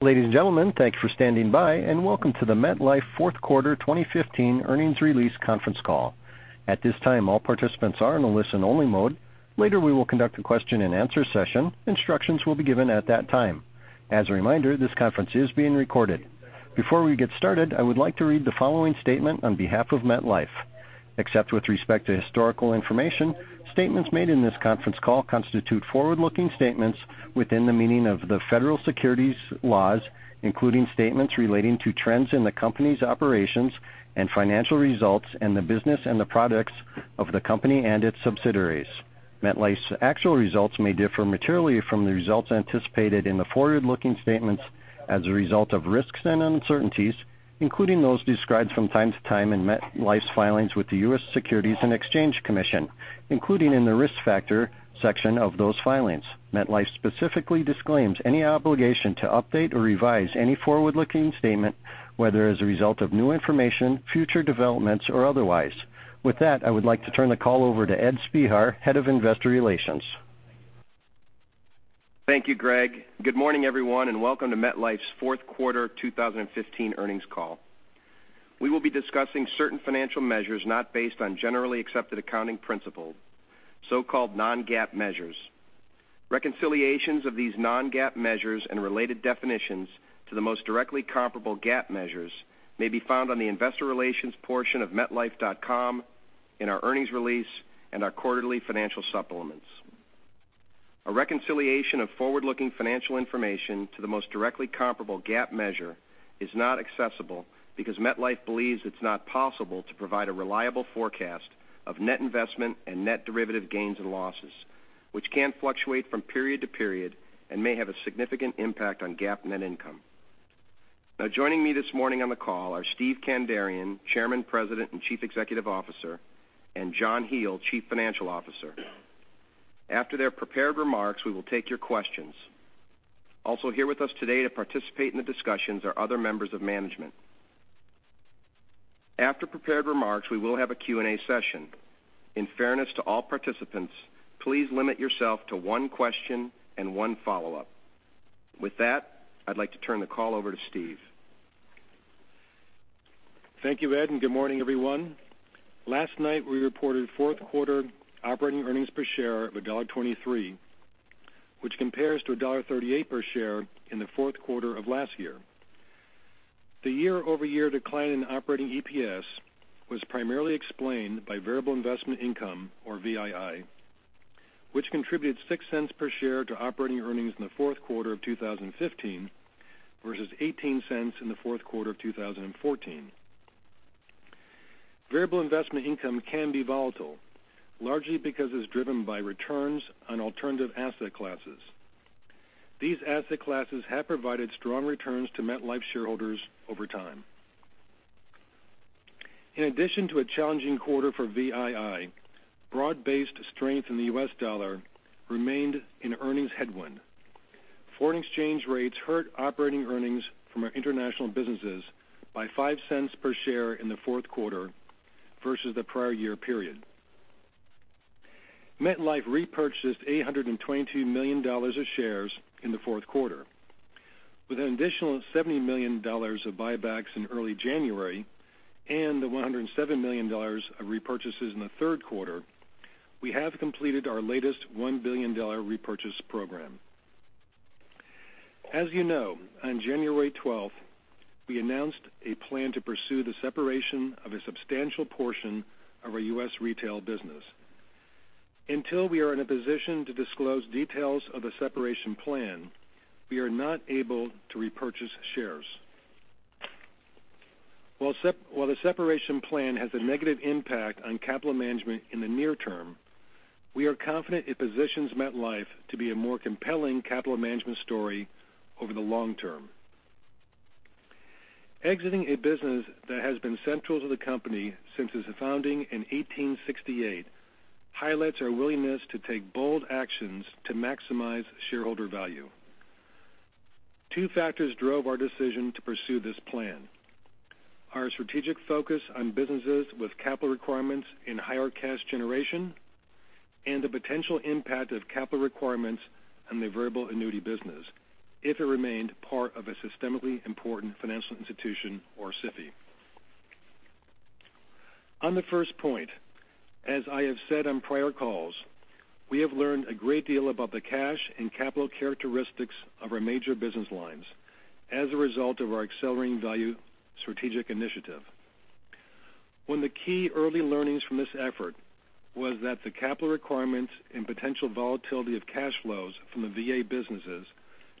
Ladies and gentlemen, thank you for standing by, and welcome to the MetLife Fourth Quarter 2015 Earnings Release Conference Call. At this time, all participants are in a listen-only mode. Later, we will conduct a question-and-answer session. Instructions will be given at that time. As a reminder, this conference is being recorded. Before we get started, I would like to read the following statement on behalf of MetLife. Except with respect to historical information, statements made in this conference call constitute forward-looking statements within the meaning of the federal securities laws, including statements relating to trends in the company's operations and financial results and the business and the products of the company and its subsidiaries. MetLife's actual results may differ materially from the results anticipated in the forward-looking statements as a result of risks and uncertainties, including those described from time to time in MetLife's filings with the U.S. Securities and Exchange Commission, including in the Risk Factor section of those filings. MetLife specifically disclaims any obligation to update or revise any forward-looking statement, whether as a result of new information, future developments, or otherwise. With that, I would like to turn the call over to Ed Spehar, Head of Investor Relations. Thank you, Greg. Good morning, everyone, and welcome to MetLife's Fourth Quarter 2015 earnings call. We will be discussing certain financial measures not based on Generally Accepted Accounting Principles, so-called non-GAAP measures. Reconciliations of these non-GAAP measures and related definitions to the most directly comparable GAAP measures may be found on the investor relations portion of metlife.com, in our earnings release, and our quarterly financial supplements. A reconciliation of forward-looking financial information to the most directly comparable GAAP measure is not accessible because MetLife believes it's not possible to provide a reliable forecast of net investment and net derivative gains and losses, which can fluctuate from period to period and may have a significant impact on GAAP net income. Joining me this morning on the call are Steve Kandarian, Chairman, President, and Chief Executive Officer, and John Hele, Chief Financial Officer. After their prepared remarks, we will take your questions. Also here with us today to participate in the discussions are other members of management. After prepared remarks, we will have a Q&A session. In fairness to all participants, please limit yourself to one question and one follow-up. I'd like to turn the call over to Steve. Thank you, Ed, and good morning, everyone. Last night, we reported fourth quarter operating earnings per share of $1.23, which compares to $1.38 per share in the fourth quarter of last year. The year-over-year decline in operating EPS was primarily explained by variable investment income, or VII, which contributed $0.06 per share to operating earnings in the fourth quarter of 2015 versus $0.18 in the fourth quarter of 2014. Variable investment income can be volatile, largely because it's driven by returns on alternative asset classes. These asset classes have provided strong returns to MetLife shareholders over time. In addition to a challenging quarter for VII, broad-based strength in the U.S. dollar remained an earnings headwind. Foreign exchange rates hurt operating earnings from our international businesses by $0.05 per share in the fourth quarter versus the prior year period. MetLife repurchased $822 million of shares in the fourth quarter. With an additional $70 million of buybacks in early January and the $107 million of repurchases in the third quarter, we have completed our latest $1 billion repurchase program. As you know, on January 12th, we announced a plan to pursue the separation of a substantial portion of our U.S. retail business. Until we are in a position to disclose details of the separation plan, we are not able to repurchase shares. While the separation plan has a negative impact on capital management in the near term, we are confident it positions MetLife to be a more compelling capital management story over the long term. Exiting a business that has been central to the company since its founding in 1868 highlights our willingness to take bold actions to maximize shareholder value. Two factors drove our decision to pursue this plan. Our strategic focus on businesses with capital requirements in higher cash generation and the potential impact of capital requirements on the variable annuity business if it remained part of a systemically important financial institution or SIFI. On the first point, as I have said on prior calls, we have learned a great deal about the cash and capital characteristics of our major business lines as a result of our accelerating value strategic initiative. One of the key early learnings from this effort was that the capital requirements and potential volatility of cash flows from the VA businesses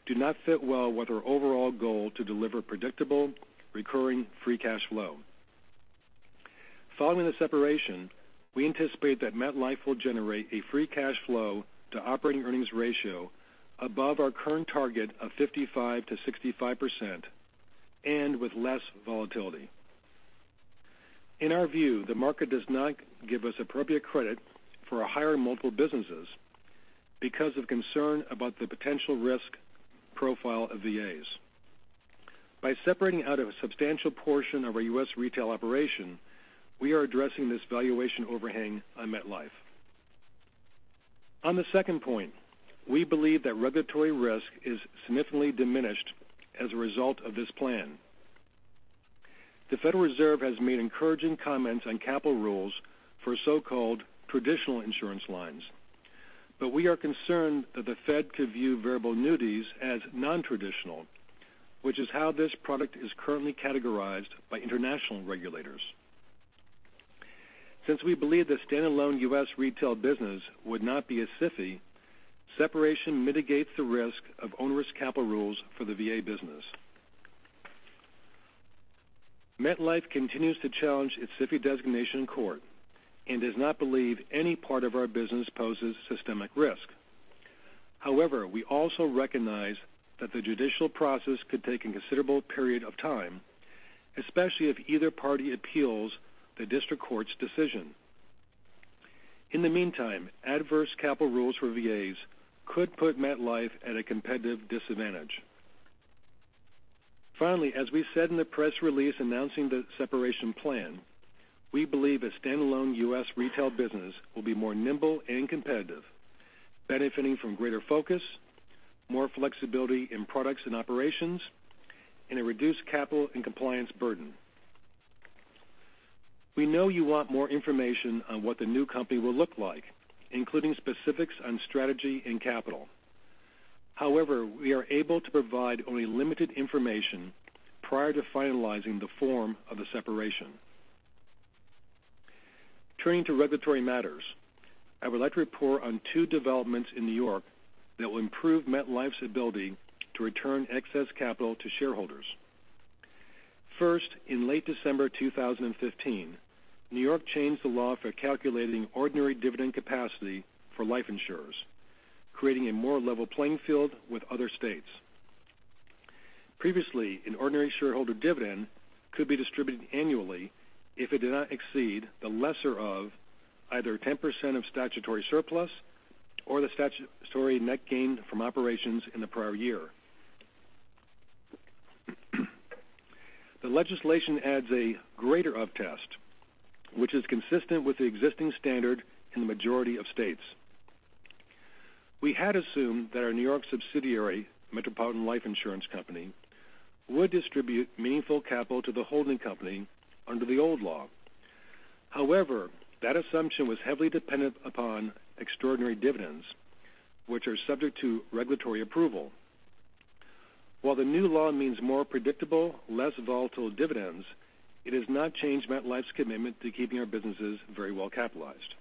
do not fit well with our overall goal to deliver predictable, recurring free cash flow. Following the separation, we anticipate that MetLife will generate a free cash flow to operating earnings ratio above our current target of 55%-65%, and with less volatility. In our view, the market does not give us appropriate credit for our higher multiple businesses because of concern about the potential risk profile of VAs. By separating out a substantial portion of our U.S. retail operation, we are addressing this valuation overhang on MetLife. On the second point, we believe that regulatory risk is significantly diminished as a result of this plan. The Federal Reserve has made encouraging comments on capital rules for so-called traditional insurance lines. We are concerned that the Fed could view variable annuities as non-traditional, which is how this product is currently categorized by international regulators. Since we believe the standalone U.S. retail business would not be a SIFI, separation mitigates the risk of onerous capital rules for the VA business. MetLife continues to challenge its SIFI designation in court and does not believe any part of our business poses systemic risk. However, we also recognize that the judicial process could take a considerable period of time, especially if either party appeals the district court's decision. In the meantime, adverse capital rules for VAs could put MetLife at a competitive disadvantage. Finally, as we said in the press release announcing the separation plan, we believe a standalone U.S. retail business will be more nimble and competitive, benefiting from greater focus, more flexibility in products and operations, and a reduced capital and compliance burden. We know you want more information on what the new company will look like, including specifics on strategy and capital. However, we are able to provide only limited information prior to finalizing the form of the separation. Turning to regulatory matters, I would like to report on two developments in New York that will improve MetLife's ability to return excess capital to shareholders. First, in late December 2015, New York changed the law for calculating ordinary dividend capacity for life insurers, creating a more level playing field with other states. Previously, an ordinary shareholder dividend could be distributed annually if it did not exceed the lesser of either 10% of statutory surplus or the statutory net gain from operations in the prior year. The legislation adds a greater of test, which is consistent with the existing standard in the majority of states. We had assumed that our New York subsidiary, Metropolitan Life Insurance Company, would distribute meaningful capital to the holding company under the old law. However, that assumption was heavily dependent upon extraordinary dividends, which are subject to regulatory approval. While the new law means more predictable, less volatile dividends, it has not changed MetLife's commitment to keeping our businesses very well capitalized.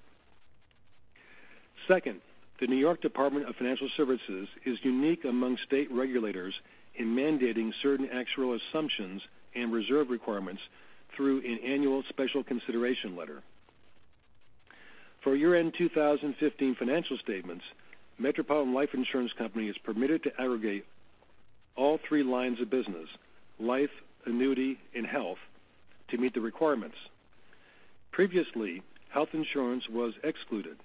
Second, the New York Department of Financial Services is unique among state regulators in mandating certain actual assumptions and reserve requirements through an annual special consideration letter. For year-end 2015 financial statements, Metropolitan Life Insurance Company is permitted to aggregate all three lines of business, life, annuity, and health, to meet the requirements. Previously, health insurance was excluded.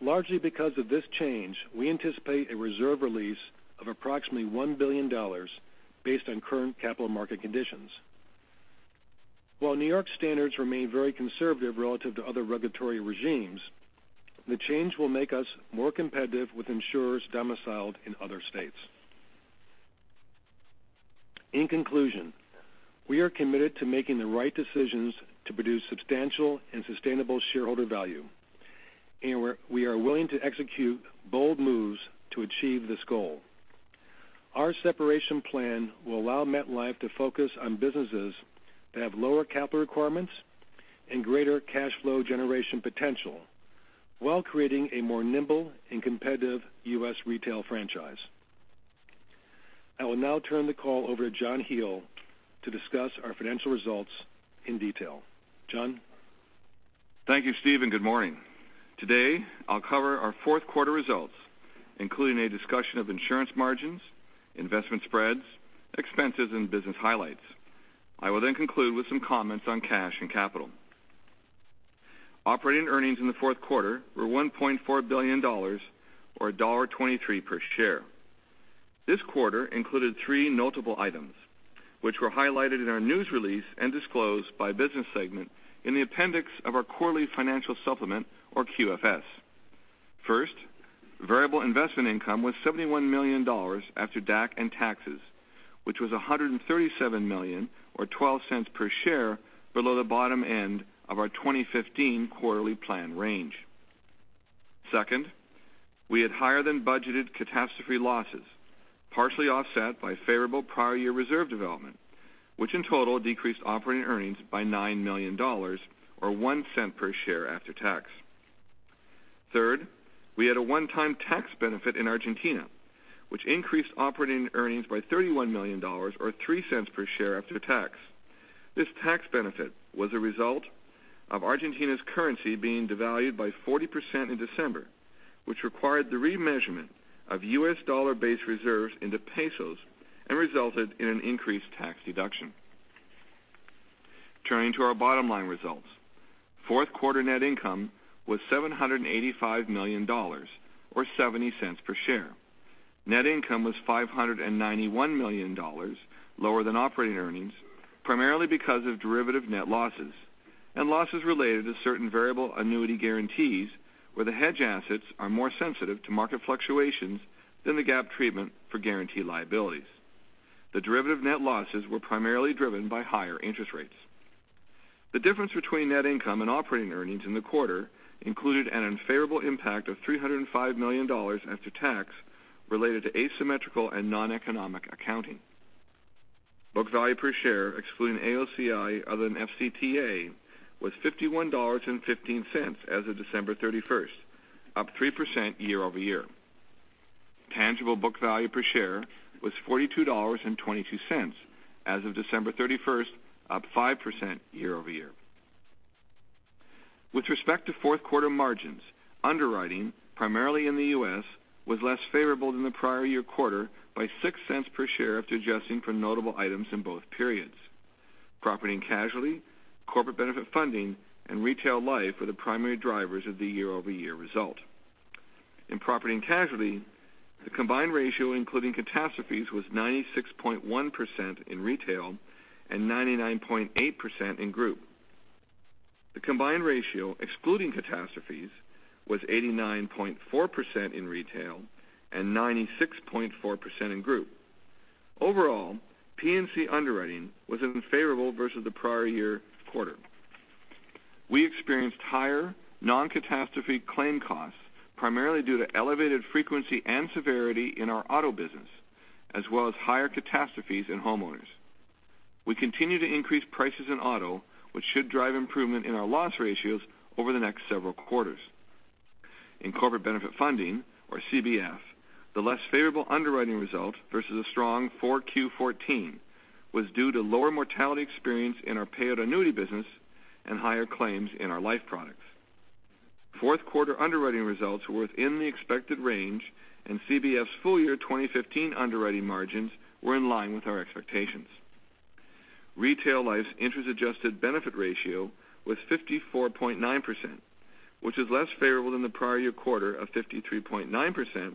Largely because of this change, we anticipate a reserve release of approximately $1 billion based on current capital market conditions. While New York standards remain very conservative relative to other regulatory regimes, the change will make us more competitive with insurers domiciled in other states. In conclusion, we are committed to making the right decisions to produce substantial and sustainable shareholder value, and we are willing to execute bold moves to achieve this goal. Our separation plan will allow MetLife to focus on businesses that have lower capital requirements and greater cash flow generation potential while creating a more nimble and competitive U.S. retail franchise. I will now turn the call over to John Hele to discuss our financial results in detail. John? Thank you, Steve, and good morning. Today, I'll cover our fourth quarter results, including a discussion of insurance margins, investment spreads, expenses, and business highlights. I will then conclude with some comments on cash and capital. Operating earnings in the fourth quarter were $1.4 billion, or $1.23 per share. This quarter included three notable items, which were highlighted in our news release and disclosed by business segment in the appendix of our quarterly financial supplement or QFS. First, variable investment income was $71 million after DAC and taxes, which was $137 million or $0.12 per share below the bottom end of our 2015 quarterly plan range. Second, we had higher than budgeted catastrophe losses, partially offset by favorable prior year reserve development, which in total decreased operating earnings by $9 million, or $0.01 per share after tax. Third, we had a one-time tax benefit in Argentina, which increased operating earnings by $31 million or $0.03 per share after tax. This tax benefit was a result of Argentina's currency being devalued by 40% in December, which required the remeasurement of U.S. dollar based reserves into pesos and resulted in an increased tax deduction. Turning to our bottom line results. Fourth quarter net income was $785 million, or $0.70 per share. Net income was $591 million, lower than operating earnings, primarily because of derivative net losses and losses related to certain variable annuity guarantees where the hedge assets are more sensitive to market fluctuations than the GAAP treatment for guarantee liabilities. The derivative net losses were primarily driven by higher interest rates. The difference between net income and operating earnings in the quarter included an unfavorable impact of $305 million after tax related to asymmetrical and noneconomic accounting. Book value per share, excluding AOCI other than FCTA, was $51.15 as of December 31st, up 3% year-over-year. Tangible book value per share was $42.22 as of December 31st, up 5% year-over-year. With respect to fourth quarter margins, underwriting, primarily in the U.S., was less favorable than the prior year quarter by $0.06 per share after adjusting for notable items in both periods. Property and casualty, corporate benefit funding, and retail life were the primary drivers of the year-over-year result. In property and casualty, the combined ratio, including catastrophes, was 96.1% in retail and 99.8% in group. The combined ratio, excluding catastrophes, was 89.4% in retail and 96.4% in group. Overall, P&C underwriting was unfavorable versus the prior year quarter. We experienced higher non-catastrophe claim costs, primarily due to elevated frequency and severity in our auto business, as well as higher catastrophes in homeowners. We continue to increase prices in auto, which should drive improvement in our loss ratios over the next several quarters. In corporate benefit funding, or CBS, the less favorable underwriting result versus a strong 4Q14 was due to lower mortality experience in our payout annuity business and higher claims in our life products. Fourth quarter underwriting results were within the expected range, and CBS full year 2015 underwriting margins were in line with our expectations. Retail life's interest-adjusted benefit ratio was 54.9%, which is less favorable than the prior year quarter of 53.9%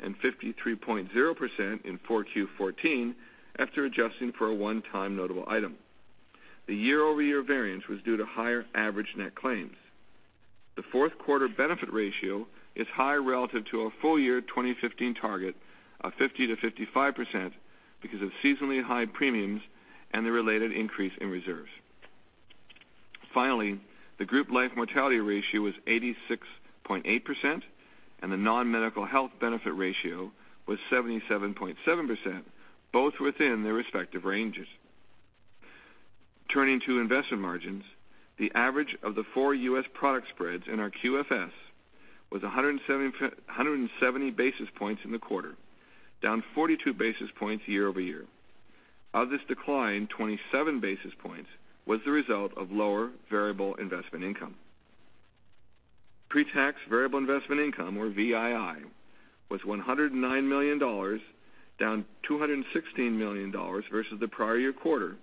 and 53.0% in 4Q14, after adjusting for a one-time notable item. The year-over-year variance was due to higher average net claims. The fourth quarter benefit ratio is higher relative to our full year 2015 target of 50%-55% because of seasonally high premiums and the related increase in reserves. Finally, the group life mortality ratio was 86.8% and the non-medical health benefit ratio was 77.7%, both within their respective ranges. Turning to investment margins, the average of the four U.S. product spreads in our QFS was 170 basis points in the quarter, down 42 basis points year-over-year. Of this decline, 27 basis points was the result of lower variable investment income. Pre-tax variable investment income, or VII, was $109 million, down $216 million versus the prior year quarter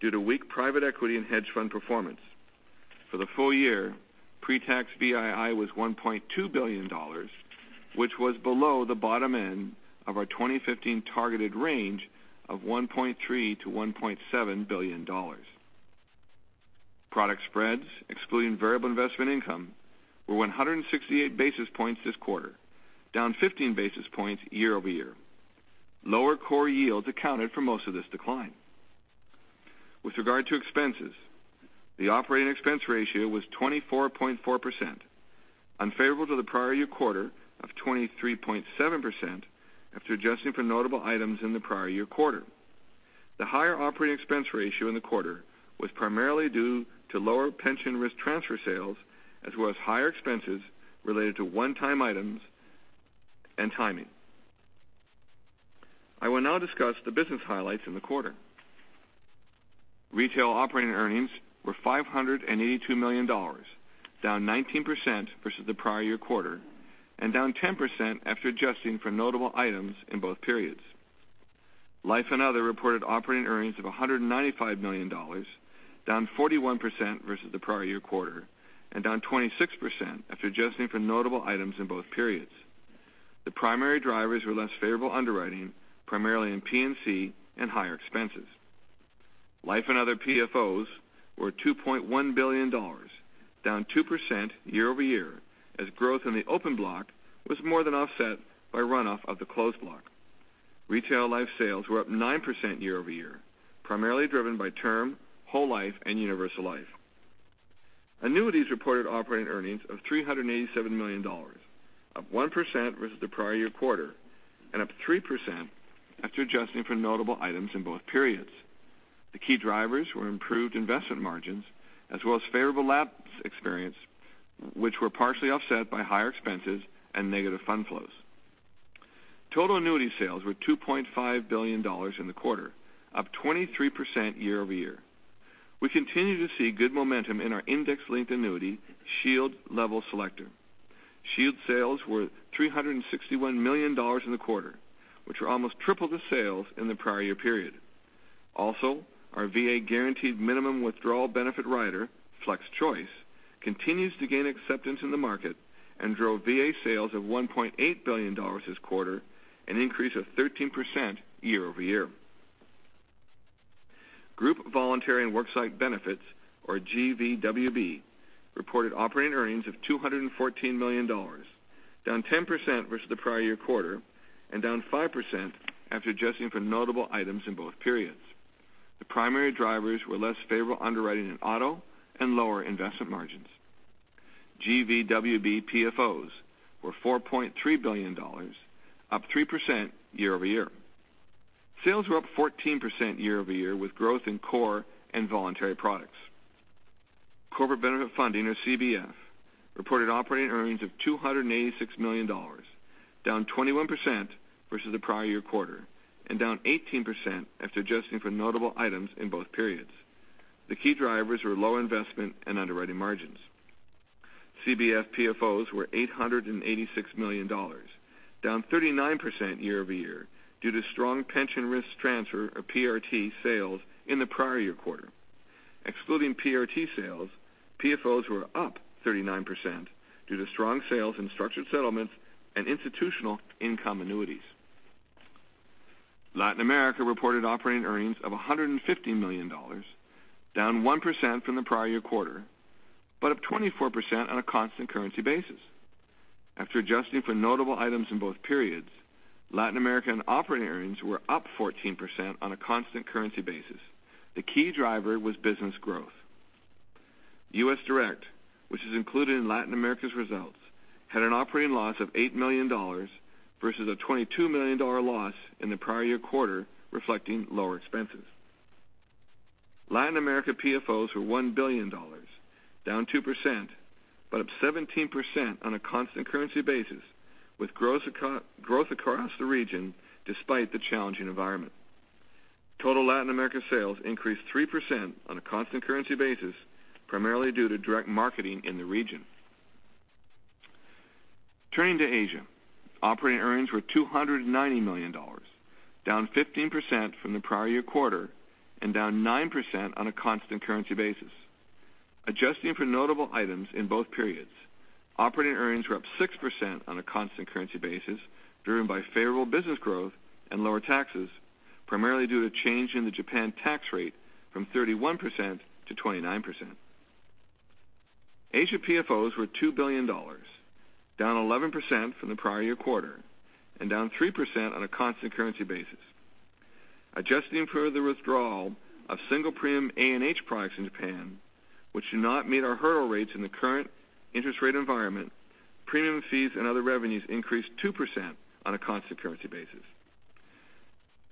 due to weak private equity and hedge fund performance. For the full year, pre-tax VII was $1.2 billion, which was below the bottom end of our 2015 targeted range of $1.3 billion-$1.7 billion. Product spreads, excluding variable investment income, were 168 basis points this quarter, down 15 basis points year-over-year. Lower core yields accounted for most of this decline. With regard to expenses, the operating expense ratio was 24.4%, unfavorable to the prior year quarter of 23.7% after adjusting for notable items in the prior year quarter. The higher operating expense ratio in the quarter was primarily due to lower pension risk transfer sales as well as higher expenses related to one-time items and timing. I will now discuss the business highlights in the quarter. Retail operating earnings were $582 million, down 19% versus the prior year quarter, and down 10% after adjusting for notable items in both periods. Life and Other reported operating earnings of $195 million, down 41% versus the prior year quarter, and down 26% after adjusting for notable items in both periods. The primary drivers were less favorable underwriting, primarily in P&C and higher expenses. Life and Other PFOs were $2.1 billion, down 2% year-over-year, as growth in the open block was more than offset by runoff of the closed block. Retail life sales were up 9% year-over-year, primarily driven by term, whole life, and universal life. Annuities reported operating earnings of $387 million, up 1% versus the prior year quarter, and up 3% after adjusting for notable items in both periods. The key drivers were improved investment margins as well as favorable lapse experience, which were partially offset by higher expenses and negative fund flows. Total annuity sales were $2.5 billion in the quarter, up 23% year-over-year. We continue to see good momentum in our index-linked annuity, SHIELD Level Selector. SHIELD sales were $361 million in the quarter, which were almost triple the sales in the prior year period. Also, our VA guaranteed minimum withdrawal benefit rider, FlexChoice, continues to gain acceptance in the market and drove VA sales of $1.8 billion this quarter, an increase of 13% year-over-year. Group voluntary and worksite benefits, or GVWB, reported operating earnings of $214 million, down 10% versus the prior year quarter and down 5% after adjusting for notable items in both periods. The primary drivers were less favorable underwriting in auto and lower investment margins. GVWB PFOs were $4.3 billion, up 3% year-over-year. Sales were up 14% year-over-year with growth in core and voluntary products. Corporate benefit funding, or CBF, reported operating earnings of $286 million, down 21% versus the prior year quarter and down 18% after adjusting for notable items in both periods. The key drivers were low investment and underwriting margins. CBF PFOs were $886 million, down 39% year-over-year due to strong pension risk transfer of PRT sales in the prior year quarter. Excluding PRT sales, PFOs were up 39% due to strong sales in structured settlements and institutional income annuities. Latin America reported operating earnings of $150 million, down 1% from the prior year quarter, but up 24% on a constant currency basis. After adjusting for notable items in both periods, Latin American operating earnings were up 14% on a constant currency basis. The key driver was business growth. US Direct, which is included in Latin America's results, had an operating loss of $8 million versus a $22 million loss in the prior year quarter, reflecting lower expenses. Latin America PFOs were $1 billion, down 2%, but up 17% on a constant currency basis, with growth across the region despite the challenging environment. Total Latin America sales increased 3% on a constant currency basis, primarily due to direct marketing in the region. Turning to Asia. Operating earnings were $290 million, down 15% from the prior year quarter and down 9% on a constant currency basis. Adjusting for notable items in both periods, operating earnings were up 6% on a constant currency basis, driven by favorable business growth and lower taxes, primarily due to a change in the Japan tax rate from 31% to 29%. Asia PFOs were $2 billion, down 11% from the prior year quarter and down 3% on a constant currency basis. Adjusting for the withdrawal of single premium A&H products in Japan, which do not meet our hurdle rates in the current interest rate environment, premium fees and other revenues increased 2% on a constant currency basis.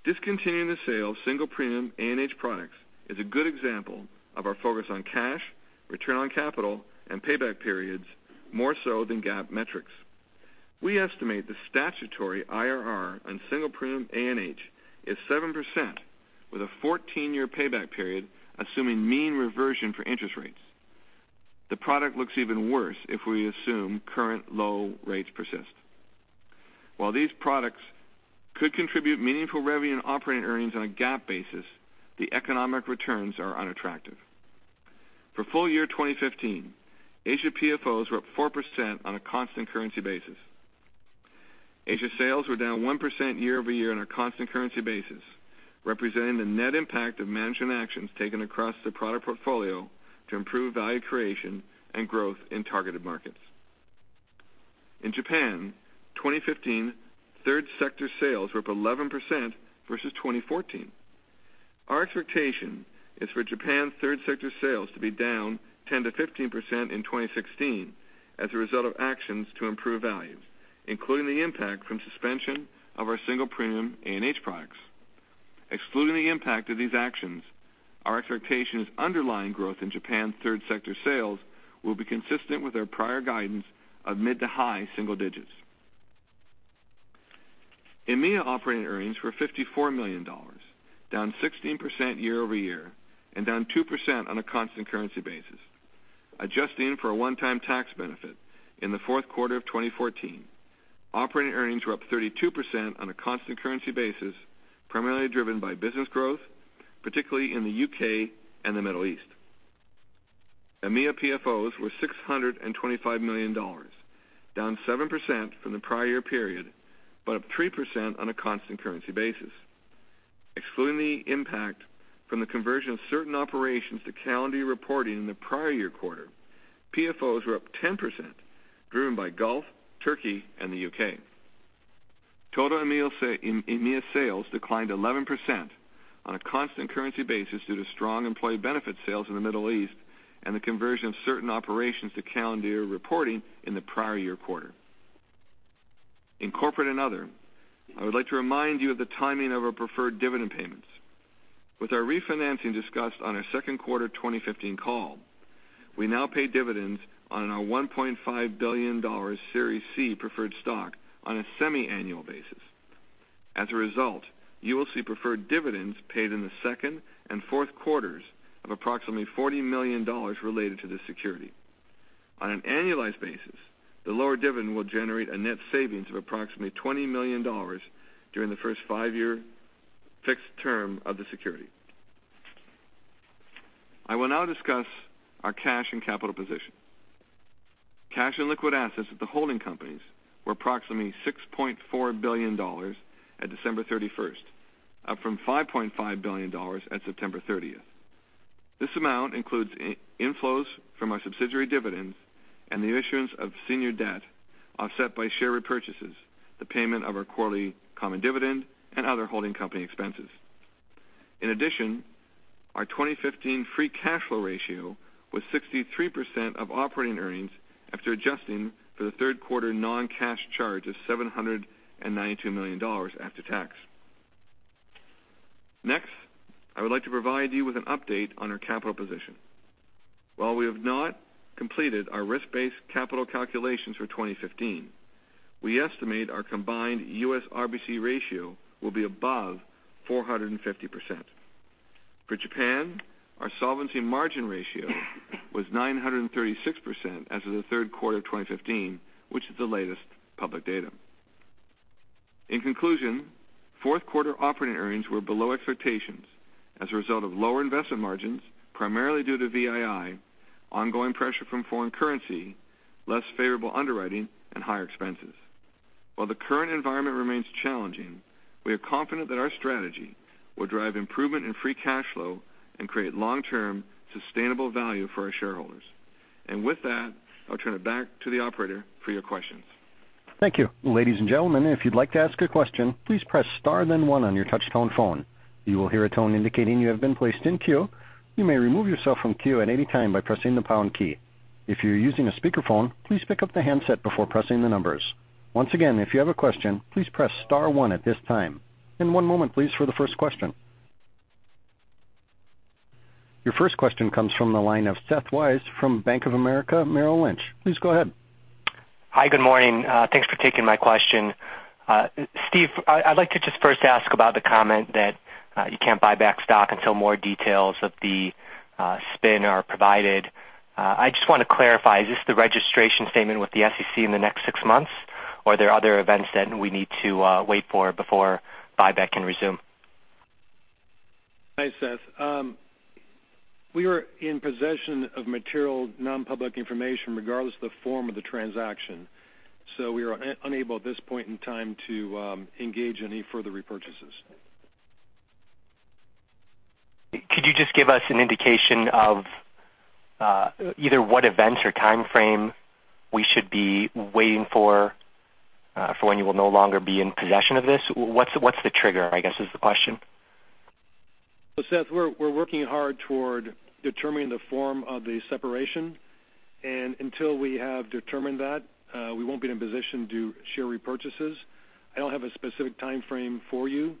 Discontinuing the sale of single premium A&H products is a good example of our focus on cash, return on capital and payback periods more so than GAAP metrics. We estimate the statutory IRR on single premium A&H is 7% with a 14-year payback period, assuming mean reversion for interest rates. The product looks even worse if we assume current low rates persist. While these products could contribute meaningful revenue and operating earnings on a GAAP basis, the economic returns are unattractive. For full year 2015, Asia PFOs were up 4% on a constant currency basis. Asia sales were down 1% year-over-year on a constant currency basis, representing the net impact of management actions taken across the product portfolio to improve value creation and growth in targeted markets. In Japan, 2015 third sector sales were up 11% versus 2014. Our expectation is for Japan third sector sales to be down 10%-15% in 2016 as a result of actions to improve value, including the impact from suspension of our single premium A&H products. Excluding the impact of these actions, our expectation is underlying growth in Japan third sector sales will be consistent with our prior guidance of mid to high single digits. EMEA operating earnings were $54 million, down 16% year-over-year and down 2% on a constant currency basis. Adjusting for a one-time tax benefit in the fourth quarter of 2014, operating earnings were up 32% on a constant currency basis, primarily driven by business growth, particularly in the U.K. and the Middle East. EMEA PFOs were $625 million, down 7% from the prior year period, but up 3% on a constant currency basis. Excluding the impact from the conversion of certain operations to calendar year reporting in the prior year quarter, PFOs were up 10%, driven by Gulf, Turkey, and the U.K. Total EMEA sales declined 11% on a constant currency basis due to strong employee benefit sales in the Middle East and the conversion of certain operations to calendar year reporting in the prior year quarter. In Corporate and Other, I would like to remind you of the timing of our preferred dividend payments. With our refinancing discussed on our second quarter 2015 call, we now pay dividends on our $1.5 billion Series C Preferred Stock on a semi-annual basis. As a result, you will see preferred dividends paid in the second and fourth quarters of approximately $40 million related to this security. On an annualized basis, the lower dividend will generate a net savings of approximately $20 million during the first five-year fixed term of the security. I will now discuss our cash and capital position. Cash and liquid assets at the holding companies were approximately $6.4 billion at December 31st, up from $5.5 billion at September 30th. This amount includes inflows from our subsidiary dividends and the issuance of senior debt, offset by share repurchases, the payment of our quarterly common dividend, and other holding company expenses. In addition, our 2015 free cash flow ratio was 63% of operating earnings after adjusting for the third quarter non-cash charge of $792 million after tax. Next, I would like to provide you with an update on our capital position. While we have not completed our risk-based capital calculations for 2015, we estimate our combined U.S. RBC ratio will be above 450%. For Japan, our solvency margin ratio was 936% as of the third quarter of 2015, which is the latest public data. In conclusion, fourth quarter operating earnings were below expectations as a result of lower investment margins, primarily due to VII, ongoing pressure from foreign currency, less favorable underwriting, and higher expenses. While the current environment remains challenging, we are confident that our strategy will drive improvement in free cash flow and create long-term sustainable value for our shareholders. With that, I'll turn it back to the operator for your questions. Thank you. Ladies and gentlemen, if you'd like to ask a question, please press star then one on your touch-tone phone. You will hear a tone indicating you have been placed in queue. You may remove yourself from queue at any time by pressing the pound key. If you're using a speakerphone, please pick up the handset before pressing the numbers. Once again, if you have a question, please press star one at this time. In one moment, please, for the first question. Your first question comes from the line of Seth Weiss from Bank of America Merrill Lynch. Please go ahead. Hi, good morning. Thanks for taking my question. Steve, I'd like to just first ask about the comment that you can't buy back stock until more details of the spin are provided. I just want to clarify, is this the registration statement with the SEC in the next six months, or are there other events that we need to wait for before buyback can resume? Hi, Seth. We are in possession of material non-public information regardless of the form of the transaction. We are unable at this point in time to engage any further repurchases. Could you just give us an indication of either what events or timeframe we should be waiting for when you will no longer be in possession of this? What's the trigger, I guess, is the question. Seth, we're working hard toward determining the form of the separation. Until we have determined that, we won't be in a position to do share repurchases. I don't have a specific timeframe for you.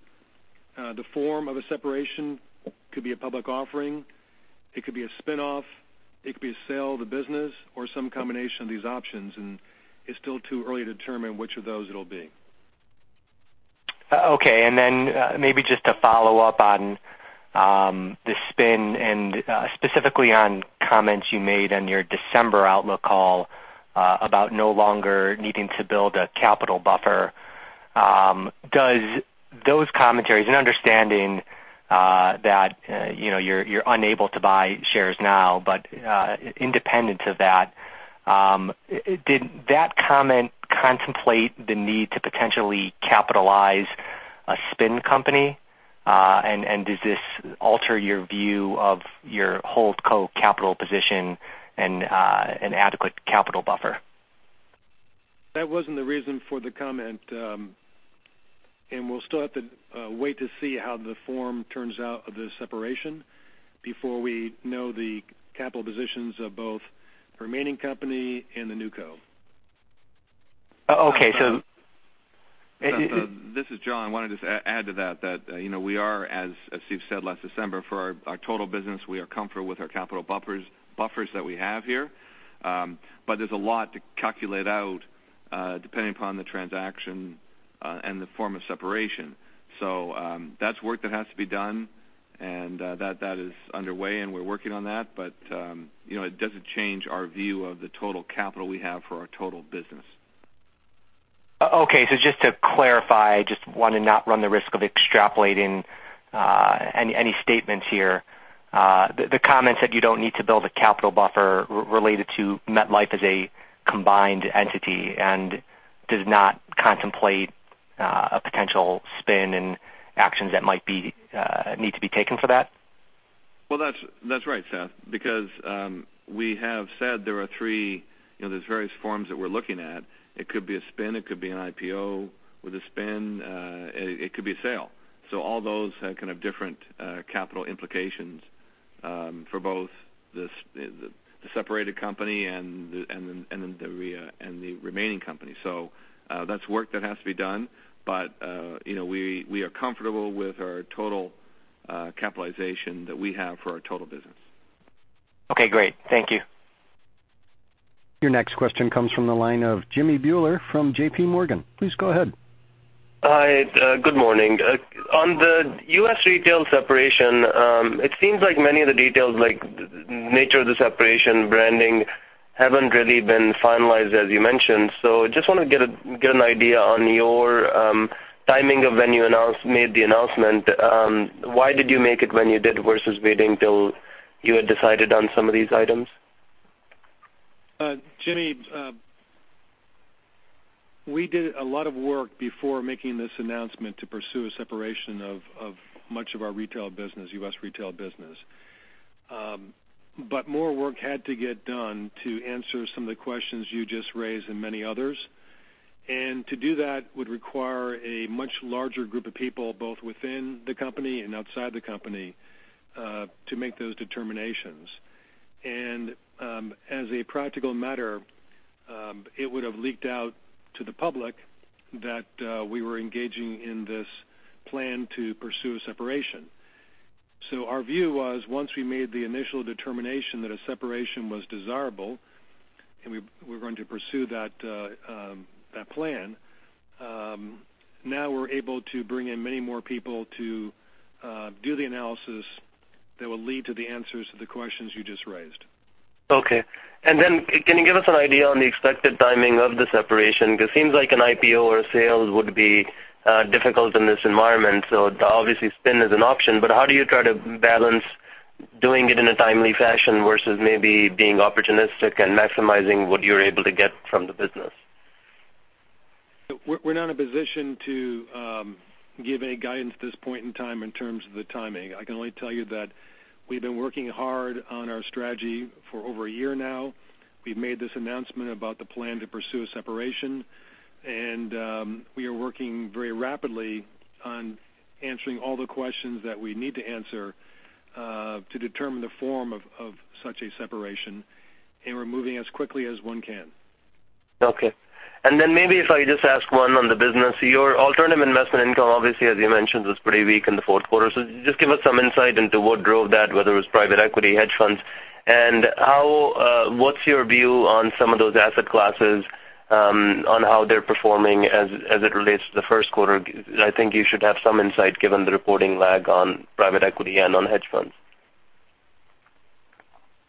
The form of a separation could be a public offering, it could be a spin-off, it could be a sale of the business or some combination of these options, and it's still too early to determine which of those it'll be. Maybe just to follow up on the spin and specifically on comments you made on your December outlook call about no longer needing to build a capital buffer. Does those commentaries, and understanding that you're unable to buy shares now, but independent of that, did that comment contemplate the need to potentially capitalize a spin company? Does this alter your view of your hold co-capital position and adequate capital buffer? That wasn't the reason for the comment. We'll still have to wait to see how the form turns out of the separation before we know the capital positions of both the remaining company and the new co. Okay, Seth, this is John. I want to just add to that we are, as Steve said last December, for our total business, we are comfortable with our capital buffers that we have here. There's a lot to calculate out, depending upon the transaction, and the form of separation. That's work that has to be done, and that is underway, and we're working on that. It doesn't change our view of the total capital we have for our total business. Okay, just to clarify, I just want to not run the risk of extrapolating any statements here. The comment said you don't need to build a capital buffer related to MetLife as a combined entity and does not contemplate a potential spin and actions that might need to be taken for that. Well, that's right, Seth, because we have said there's various forms that we're looking at. It could be a spin, it could be an IPO with a spin, it could be a sale. All those have kind of different capital implications for both the separated company and the remaining company. That's work that has to be done. We are comfortable with our total capitalization that we have for our total business. Okay, great. Thank you. Your next question comes from the line of Jimmy Bhullar from J.P. Morgan. Please go ahead. Hi, good morning. On the U.S. retail separation, it seems like many of the details, like nature of the separation, branding, haven't really been finalized, as you mentioned. Just want to get an idea on your timing of when you made the announcement. Why did you make it when you did, versus waiting till you had decided on some of these items? Jimmy, we did a lot of work before making this announcement to pursue a separation of much of our U.S. retail business. More work had to get done to answer some of the questions you just raised and many others. To do that would require a much larger group of people, both within the company and outside the company, to make those determinations. As a practical matter, it would have leaked out to the public that we were engaging in this plan to pursue a separation. Our view was once we made the initial determination that a separation was desirable and we're going to pursue that plan, now we're able to bring in many more people to do the analysis that will lead to the answers to the questions you just raised. Okay. Can you give us an idea on the expected timing of the separation? Because seems like an IPO or a sale would be difficult in this environment. Obviously spin is an option, but how do you try to balance doing it in a timely fashion versus maybe being opportunistic and maximizing what you're able to get from the business? We're not in a position to give any guidance at this point in time in terms of the timing. I can only tell you that we've been working hard on our strategy for over a year now. We've made this announcement about the plan to pursue a separation, we are working very rapidly on answering all the questions that we need to answer to determine the form of such a separation. We're moving as quickly as one can. Okay. Maybe if I just ask one on the business. Your alternative investment income, obviously, as you mentioned, was pretty weak in the fourth quarter. Just give us some insight into what drove that, whether it was private equity, hedge funds, and what's your view on some of those asset classes on how they're performing as it relates to the first quarter? I think you should have some insight given the reporting lag on private equity and on hedge funds.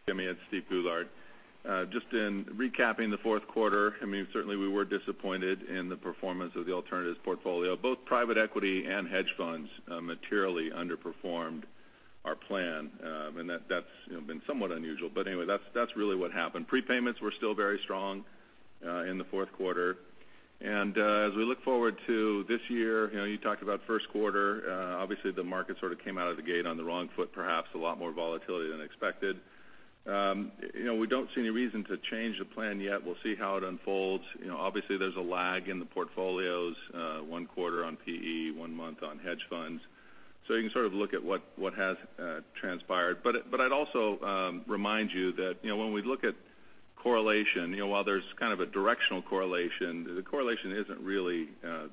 Jimmy, it's Steven Goulart. Just in recapping the fourth quarter, certainly we were disappointed in the performance of the alternatives portfolio. Both private equity and hedge funds materially underperformed our plan. That's been somewhat unusual. Anyway, that's really what happened. Prepayments were still very strong in the fourth quarter. As we look forward to this year, you talked about first quarter, obviously the market sort of came out of the gate on the wrong foot, perhaps a lot more volatility than expected. We don't see any reason to change the plan yet. We'll see how it unfolds. Obviously, there's a lag in the portfolios one quarter on PE, one month on hedge funds. You can sort of look at what has transpired. I'd also remind you that when we look at correlation, while there's kind of a directional correlation, the correlation isn't really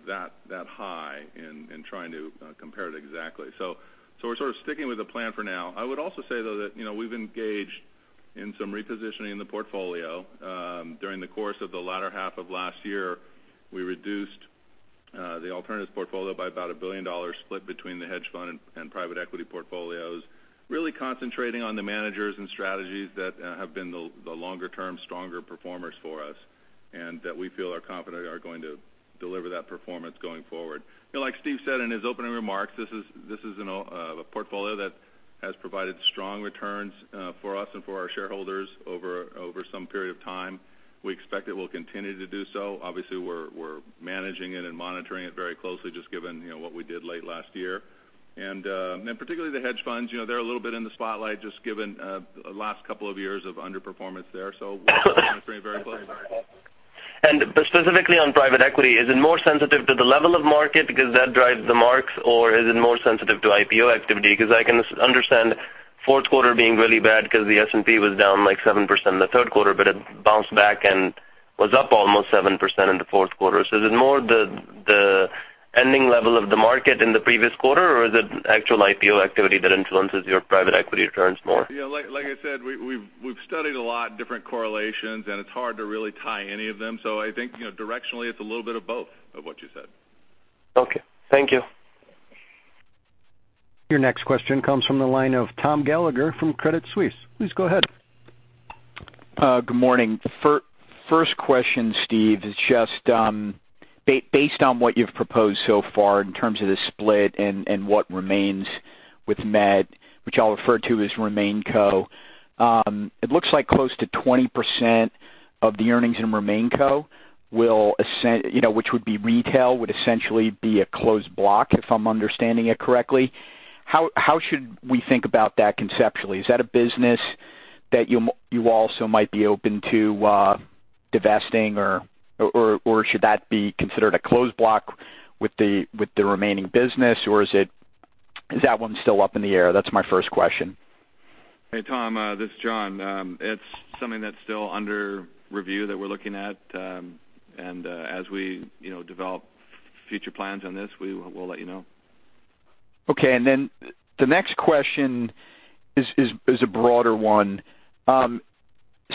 that high in trying to compare it exactly. We're sort of sticking with the plan for now. I would also say, though, that we've engaged in some repositioning in the portfolio. During the course of the latter half of last year, we reduced the alternatives portfolio by about $1 billion, split between the hedge fund and private equity portfolios. Really concentrating on the managers and strategies that have been the longer term, stronger performers for us, and that we feel are confident are going to deliver that performance going forward. Like Steve said in his opening remarks, this is a portfolio that has provided strong returns for us and for our shareholders over some period of time. We expect it will continue to do so. Obviously, we're managing it and monitoring it very closely, just given what we did late last year. Particularly the hedge funds, they're a little bit in the spotlight, just given last couple of years of underperformance there, we're monitoring very closely. Specifically on private equity, is it more sensitive to the level of market because that drives the marks, or is it more sensitive to IPO activity? Because I can understand fourth quarter being really bad because the S&P was down like 7% in the third quarter, but it bounced back and was up almost 7% in the fourth quarter. Is it more the ending level of the market in the previous quarter, or is it actual IPO activity that influences your private equity returns more? Like I said, we've studied a lot different correlations, it's hard to really tie any of them. I think directionally it's a little bit of both of what you said. Okay. Thank you. Your next question comes from the line of Tom Gallagher from Credit Suisse. Please go ahead. Good morning. First question, Steve, is just based on what you've proposed so far in terms of the split and what remains with Met, which I'll refer to as RemainCo. It looks like close to 20% of the earnings in RemainCo, which would be retail, would essentially be a closed block, if I'm understanding it correctly. How should we think about that conceptually? Is that a business that you also might be open to divesting, or should that be considered a closed block with the remaining business, or is that one still up in the air? That's my first question. Hey, Tom, this is John. It's something that's still under review that we're looking at. As we develop future plans on this, we'll let you know. Okay. The next question is a broader one.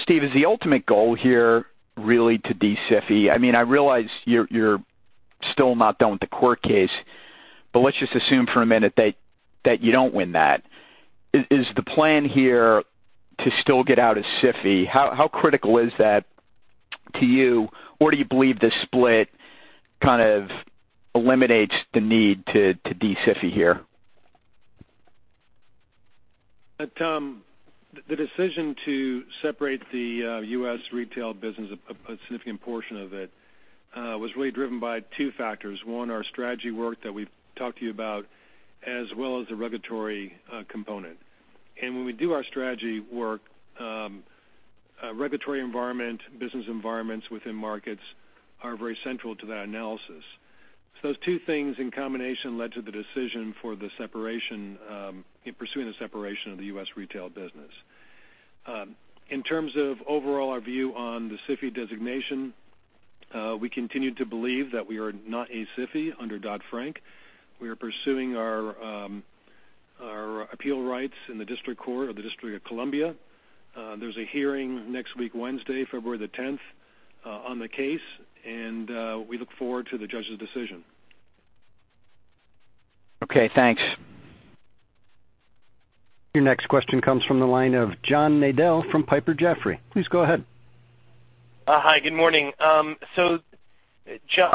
Steve, is the ultimate goal here really to de-SIFI? I realize you're still not done with the court case, let's just assume for a minute that you don't win that. Is the plan here to still get out of SIFI? How critical is that to you? Do you believe this split kind of eliminates the need to de-SIFI here? Tom, the decision to separate the U.S. retail business, a significant portion of it, was really driven by two factors. 1, our strategy work that we've talked to you about, as well as the regulatory component. When we do our strategy work, regulatory environment, business environments within markets are very central to that analysis. Those two things in combination led to the decision in pursuing the separation of the U.S. retail business. In terms of overall our view on the SIFI designation, we continue to believe that we are not a SIFI under Dodd-Frank. We are pursuing our appeal rights in the district court of the District of Columbia. There's a hearing next week, Wednesday, February the 10th, on the case, and we look forward to the judge's decision. Okay, thanks. Your next question comes from the line of John Nadel from Piper Jaffray. Please go ahead. Hi, good morning. John,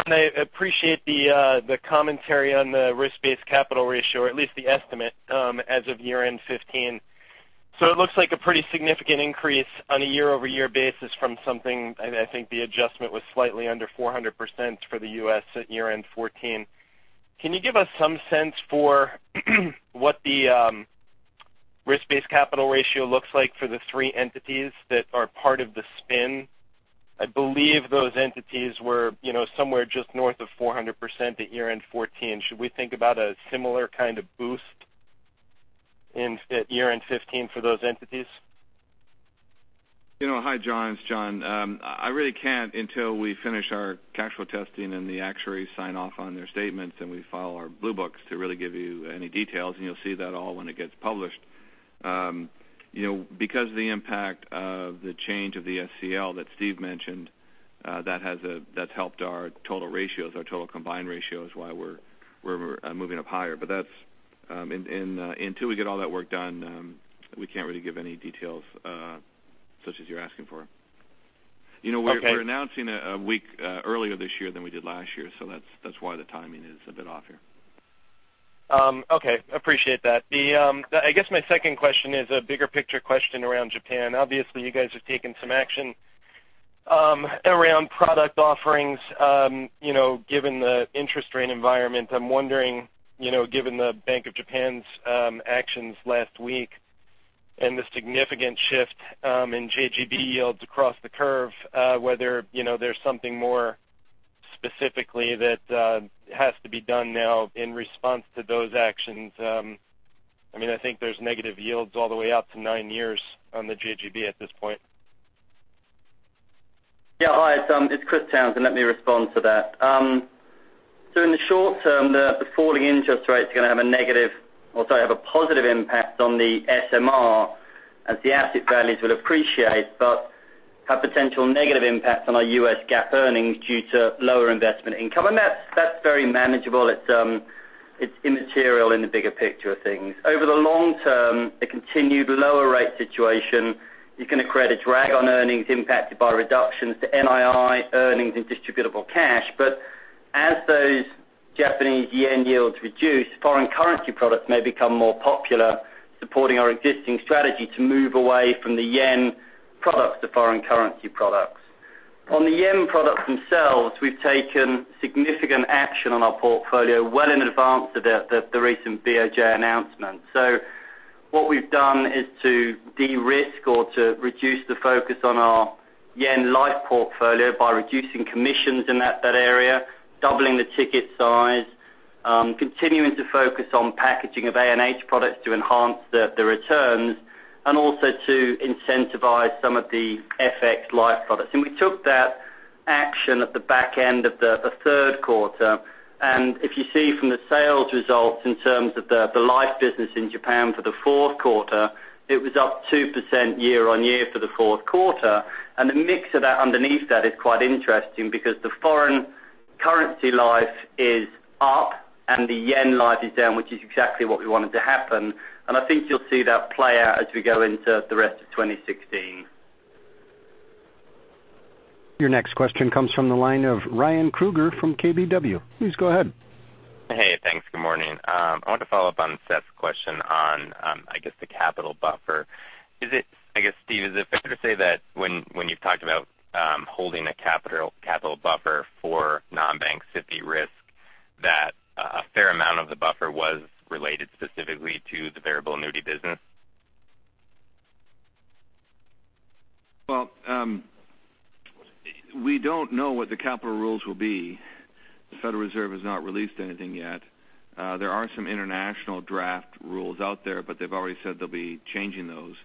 I appreciate the commentary on the risk-based capital ratio, or at least the estimate, as of year-end 2015. It looks like a pretty significant increase on a year-over-year basis from something, I think the adjustment was slightly under 400% for the U.S. at year-end 2014. Can you give us some sense for what the risk-based capital ratio looks like for the three entities that are part of the spin? I believe those entities were somewhere just north of 400% at year-end 2014. Should we think about a similar kind of boost at year-end 2015 for those entities? Hi, John, it's John. I really can't until we finish our cash flow testing and the actuaries sign off on their statements, and we file our Blue Books to really give you any details, and you'll see that all when it gets published. Because of the impact of the change of the SCL that Steve mentioned, that's helped our total ratios, our total combined ratios, why we're moving up higher. Until we get all that work done, we can't really give any details, such as you're asking for. Okay. We're announcing a week earlier this year than we did last year, that's why the timing is a bit off here. Okay, appreciate that. I guess my second question is a bigger picture question around Japan. Obviously, you guys have taken some action around product offerings given the interest rate environment. I'm wondering, given the Bank of Japan's actions last week and the significant shift in JGB yields across the curve, whether there's something more specifically that has to be done now in response to those actions. I think there's negative yields all the way out to nine years on the JGB at this point. Yeah. Hi, it's Chris Townsend. Let me respond to that. In the short term, the falling interest rate is going to have a negative, or sorry, have a positive impact on the SMR as the asset values will appreciate, but have potential negative impact on our U.S. GAAP earnings due to lower investment income. That's very manageable. It's immaterial in the bigger picture of things. Over the long term, a continued lower rate situation is going to create a drag on earnings impacted by reductions to NII earnings and distributable cash. As those Japanese yen yields reduce, foreign currency products may become more popular, supporting our existing strategy to move away from the yen products to foreign currency products. On the yen products themselves, we've taken significant action on our portfolio well in advance of the recent BOJ announcement. What we've done is to de-risk or to reduce the focus on our yen life portfolio by reducing commissions in that area, doubling the ticket size, continuing to focus on packaging of A&H products to enhance the returns, and also to incentivize some of the FX life products. We took that action at the back end of the third quarter. If you see from the sales results in terms of the life business in Japan for the fourth quarter, it was up 2% year-on-year for the fourth quarter. The mix underneath that is quite interesting because the foreign currency life is up and the yen life is down, which is exactly what we wanted to happen. I think you'll see that play out as we go into the rest of 2016. Your next question comes from the line of Ryan Krueger from KBW. Please go ahead. Hey, thanks. Good morning. I want to follow up on Seth's question on, I guess the capital buffer. I guess, Steve, is it fair to say that when you've talked about holding a capital buffer for non-bank SIFI risk, that a fair amount of the buffer was related specifically to the variable annuity business? We don't know what the capital rules will be. The Federal Reserve has not released anything yet. There are some international draft rules out there, but they've already said they'll be changing those.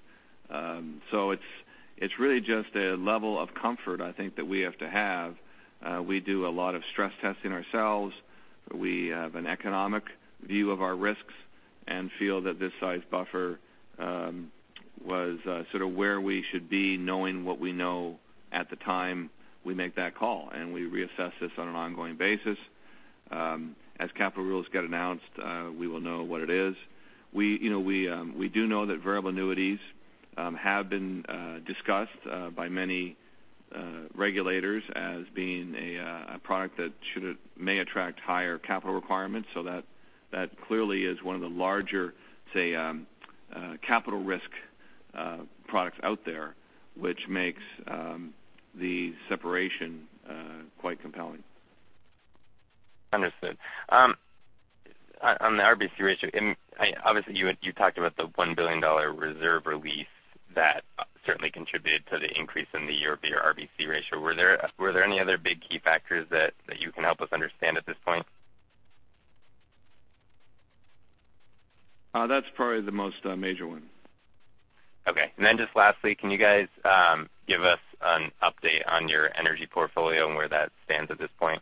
It's really just a level of comfort, I think, that we have to have. We do a lot of stress testing ourselves. We have an economic view of our risks and feel that this size buffer was sort of where we should be, knowing what we know at the time we make that call, and we reassess this on an ongoing basis. As capital rules get announced, we will know what it is. We do know that variable annuities have been discussed by many regulators as being a product that may attract higher capital requirements, so that clearly is one of the larger, say, capital risk products out there, which makes the separation quite compelling. Understood. On the RBC ratio, obviously you talked about the $1 billion reserve release that certainly contributed to the increase in the year-over-year RBC ratio. Were there any other big key factors that you can help us understand at this point? That's probably the most major one. Okay. Then just lastly, can you guys give us an update on your energy portfolio and where that stands at this point?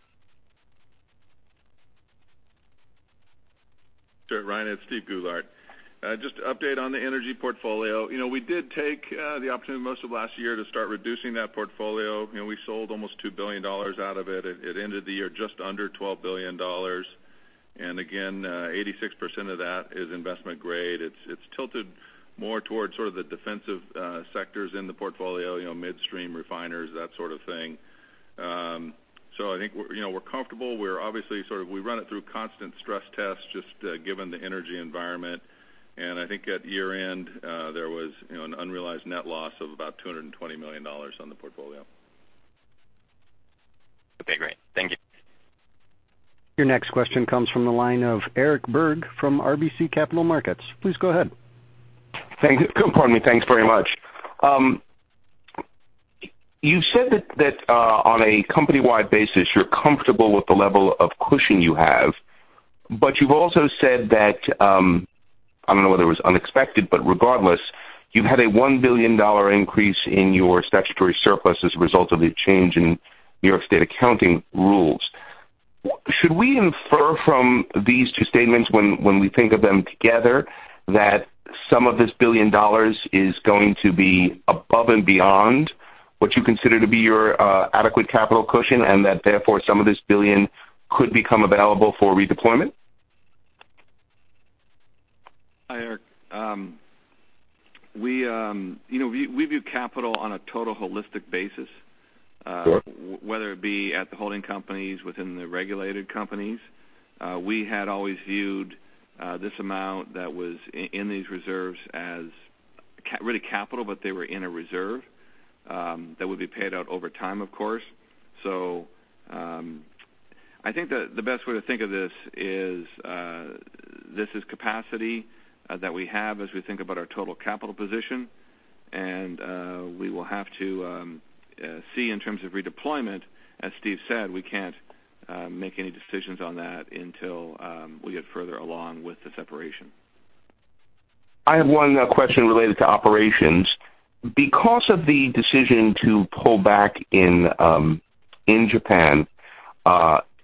Sure, Ryan. It's Steven Goulart. Just to update on the energy portfolio, we did take the opportunity most of last year to start reducing that portfolio. We sold almost $2 billion out of it. It ended the year just under $12 billion. Again, 86% of that is investment grade. It's tilted more towards sort of the defensive sectors in the portfolio, midstream refiners, that sort of thing. I think we're comfortable. We run it through constant stress tests, just given the energy environment. I think at year-end, there was an unrealized net loss of about $220 million on the portfolio. Okay, great. Thank you. Your next question comes from the line of Eric Berg from RBC Capital Markets. Please go ahead. Pardon me. Thanks very much. You said that on a company-wide basis, you're comfortable with the level of cushion you have. You've also said that, I don't know whether it was unexpected, but regardless, you've had a $1 billion increase in your statutory surplus as a result of the change in New York State accounting rules. Should we infer from these two statements when we think of them together, that some of this billion dollars is going to be above and beyond what you consider to be your adequate capital cushion, and that therefore, some of this billion could become available for redeployment? Hi, Eric. We view capital on a total holistic basis. Sure Whether it be at the holding companies, within the regulated companies. We had always viewed this amount that was in these reserves as really capital, but they were in a reserve that would be paid out over time, of course. I think the best way to think of this is, this is capacity that we have as we think about our total capital position, and we will have to see in terms of redeployment. As Steve said, we can't make any decisions on that until we get further along with the separation. I have one question related to operations. Because of the decision to pull back in Japan,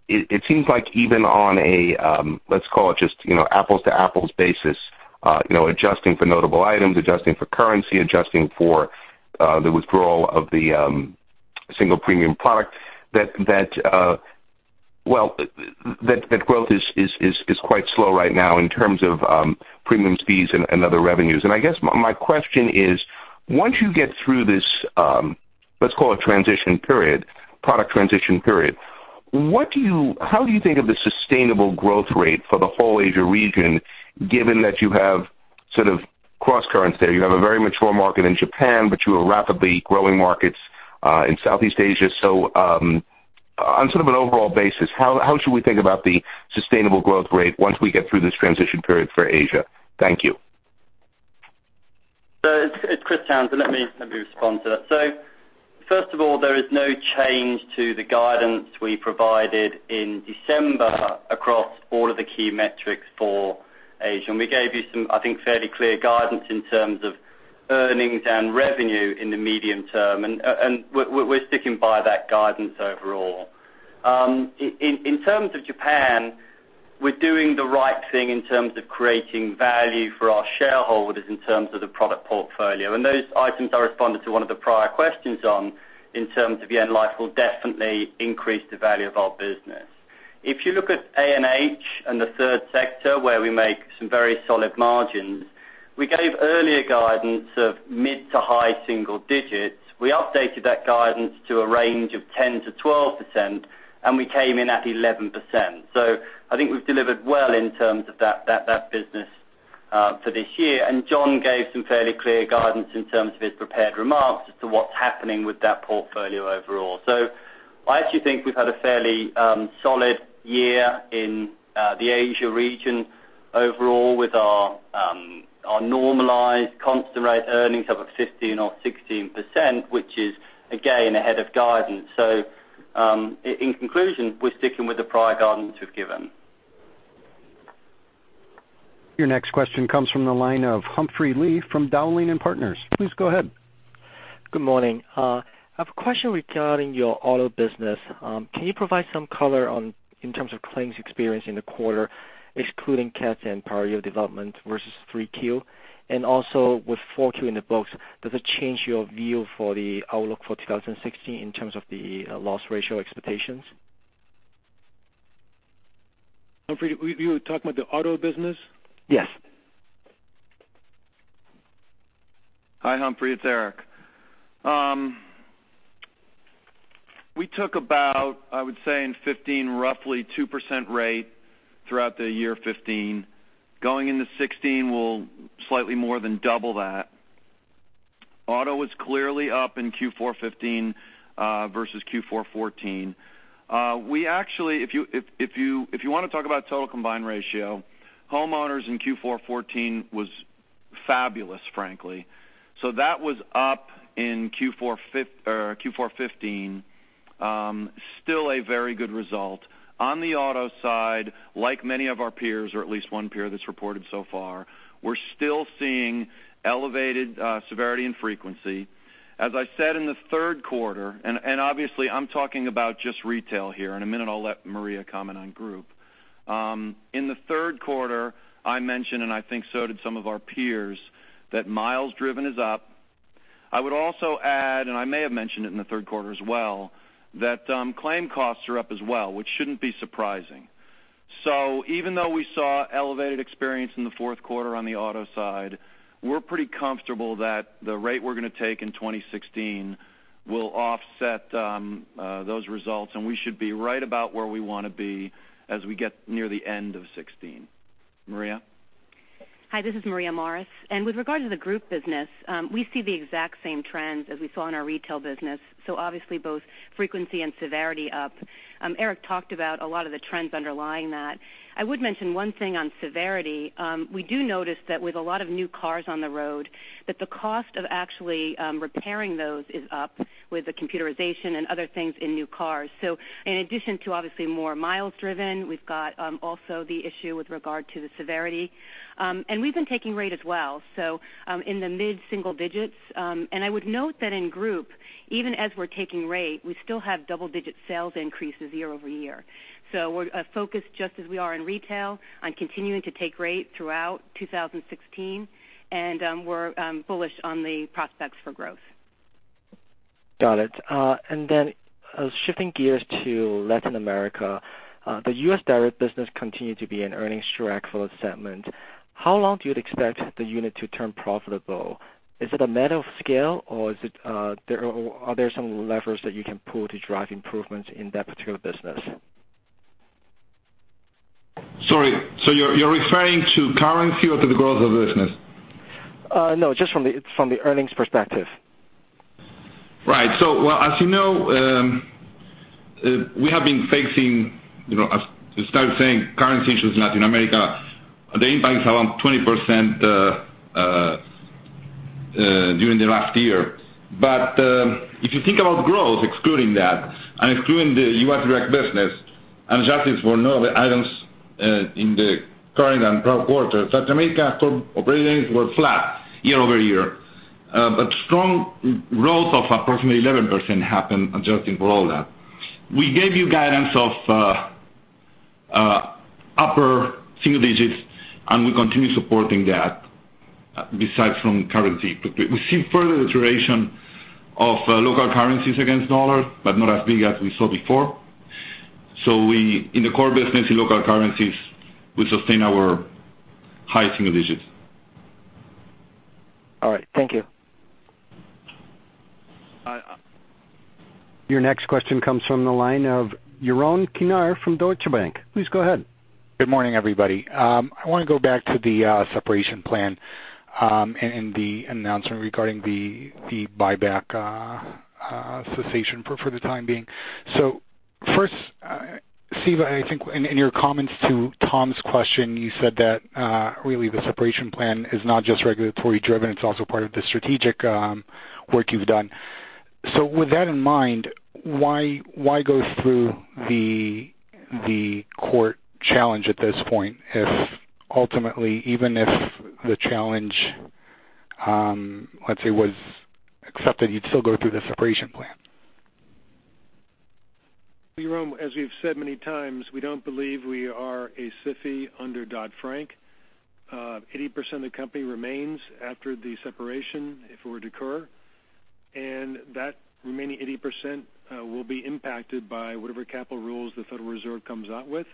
it seems like even on a, let's call it just apples to apples basis, adjusting for notable items, adjusting for currency, adjusting for the withdrawal of the single premium product, that growth is quite slow right now in terms of premiums, fees, and other revenues. I guess my question is, once you get through this, let's call it transition period, product transition period, how do you think of the sustainable growth rate for the whole Asia region, given that you have sort of crosscurrents there? You have a very mature market in Japan, but you have rapidly growing markets in Southeast Asia. On sort of an overall basis, how should we think about the sustainable growth rate once we get through this transition period for Asia? Thank you. It's Chris Townsend. Let me respond to that. First of all, there is no change to the guidance we provided in December across all of the key metrics for Asia. We gave you some, I think, fairly clear guidance in terms of earnings and revenue in the medium term, and we're sticking by that guidance overall. In terms of Japan, we're doing the right thing in terms of creating value for our shareholders in terms of the product portfolio. Those items I responded to one of the prior questions on, in terms of Yen Life will definitely increase the value of our business. If you look at A&H and the third sector, where we make some very solid margins, we gave earlier guidance of mid to high single digits. We updated that guidance to a range of 10%-12%, and we came in at 11%. I think we've delivered well in terms of that business for this year. John gave some fairly clear guidance in terms of his prepared remarks as to what's happening with that portfolio overall. I actually think we've had a fairly solid year in the Asia region overall with our normalized constant rate earnings of 15% or 16%, which is again ahead of guidance. In conclusion, we're sticking with the prior guidance we've given. Your next question comes from the line of Humphrey Lee from Dowling & Partners. Please go ahead. Good morning. I have a question regarding your auto business. Can you provide some color in terms of claims experience in the quarter, excluding cats and prior year development versus 3Q? Also with 4Q in the books, does it change your view for the outlook for 2016 in terms of the loss ratio expectations? Humphrey, you were talking about the auto business? Yes. Hi, Humphrey. It's Eric. We took about, I would say in 2015, roughly 2% rate throughout the year 2015. Going into 2016, we'll slightly more than double that. Auto was clearly up in Q4 2015 versus Q4 2014. If you want to talk about total combined ratio, homeowners in Q4 2014 was fabulous, frankly. That was up in Q4 2015. Still a very good result. On the auto side, like many of our peers, or at least one peer that's reported so far, we're still seeing elevated severity and frequency. As I said in the third quarter, obviously I'm talking about just retail here. In a minute, I'll let Maria comment on group. In the third quarter, I mentioned, I think so did some of our peers, that miles driven is up. I would also add, I may have mentioned it in the third quarter as well, that claim costs are up as well, which shouldn't be surprising. Even though we saw elevated experience in the fourth quarter on the auto side, we're pretty comfortable that the rate we're going to take in 2016 will offset those results, we should be right about where we want to be as we get near the end of 2016. Maria? Hi, this is Maria Morris. With regard to the group business, we see the exact same trends as we saw in our retail business. Obviously both frequency and severity up. Eric talked about a lot of the trends underlying that. I would mention one thing on severity. We do notice that with a lot of new cars on the road, that the cost of actually repairing those is up with the computerization and other things in new cars. In addition to obviously more miles driven, we've got also the issue with regard to the severity. We've been taking rate as well, so in the mid-single digits. I would note that in group, even as we're taking rate, we still have double-digit sales increases year-over-year. We're focused, just as we are in retail, on continuing to take rate throughout 2016, we're bullish on the prospects for growth. Got it. Shifting gears to Latin America, the US Direct business continued to be an earnings drag for the segment. How long do you expect the unit to turn profitable? Is it a matter of scale, or are there some levers that you can pull to drive improvements in that particular business? Sorry. You're referring to currency or to the growth of business? No, just from the earnings perspective. Right. As you know, we have been facing, as I started saying, currency issues in Latin America. The impact is around 20% during the last year. If you think about growth, excluding that and excluding the US Direct business, adjusting for none of the items in the current and prior quarter, Latin America core operating earnings were flat year-over-year. Strong growth of approximately 11% happened adjusting for all that. We gave you guidance of upper single digits, we continue supporting that besides from currency. We see further deterioration of local currencies against US dollar, but not as big as we saw before. In the core business, in local currencies, we sustain our high single digits. All right. Thank you. Your next question comes from the line of Yaron Kinar from Deutsche Bank. Please go ahead. Good morning, everybody. I want to go back to the separation plan and the announcement regarding the buyback cessation for the time being. First, Steven, I think in your comments to Tom's question, you said that really the separation plan is not just regulatory driven, it's also part of the strategic work you've done. With that in mind, why go through the court challenge at this point if ultimately, even if the challenge, let's say, was accepted, you'd still go through the separation plan? Yaron, as we've said many times, we don't believe we are a SIFI under Dodd-Frank. 80% of the company remains after the separation, if it were to occur, and that remaining 80% will be impacted by whatever capital rules the Federal Reserve comes out with,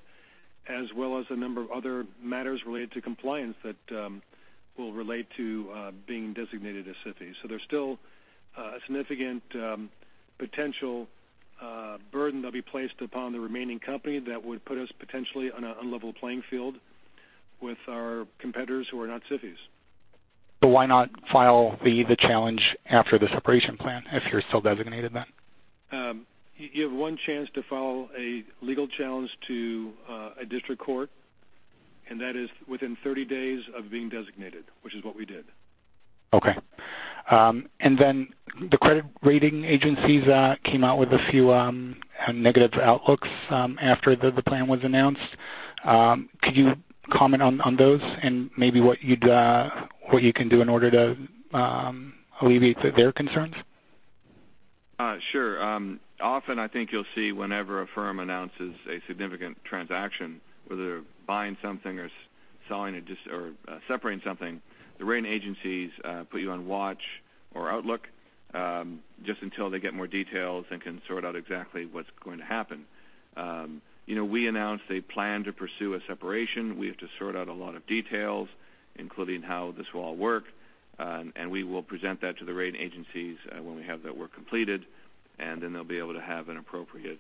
as well as a number of other matters related to compliance that will relate to being designated a SIFI. There's still a significant potential burden that'll be placed upon the remaining company that would put us potentially on an unlevel playing field with our competitors who are not SIFIs. Why not file the challenge after the separation plan if you're still designated then? You have one chance to file a legal challenge to a district court, and that is within 30 days of being designated, which is what we did. Okay. The credit rating agencies came out with a few negative outlooks after the plan was announced. Could you comment on those and maybe what you can do in order to alleviate their concerns? Sure. Often, I think you'll see whenever a firm announces a significant transaction, whether they're buying something or selling it or separating something, the rating agencies put you on watch or outlook, just until they get more details and can sort out exactly what's going to happen. We announced a plan to pursue a separation. We have to sort out a lot of details, including how this will all work, and we will present that to the rating agencies when we have that work completed, and then they'll be able to have an appropriate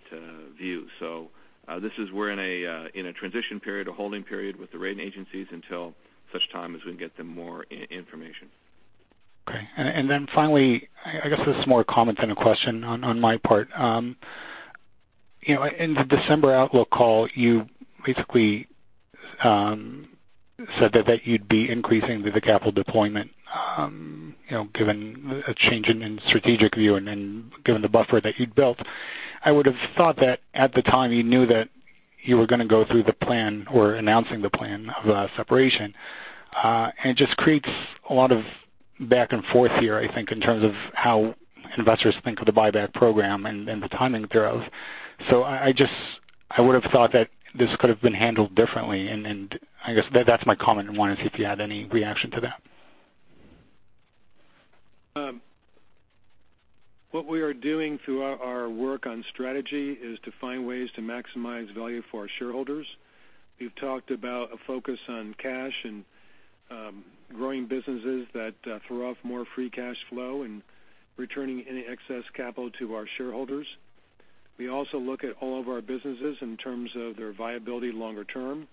view. This is, we're in a transition period, a holding period with the rating agencies until such time as we can get them more information. Okay. Finally, I guess this is more a comment than a question on my part. In the December outlook call, you basically said that you'd be increasing the capital deployment, given a change in strategic view and given the buffer that you'd built. I would've thought that at the time, you knew that you were going to go through the plan or announcing the plan of separation. It just creates a lot of back and forth here, I think, in terms of how investors think of the buyback program and the timing thereof. I would've thought that this could've been handled differently, and I guess that's my comment. I wanted to see if you had any reaction to that. What we are doing through our work on strategy is to find ways to maximize value for our shareholders. We've talked about a focus on cash and growing businesses that throw off more free cash flow and returning any excess capital to our shareholders. We also look at all of our businesses in terms of their viability longer term,